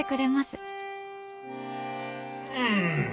うん！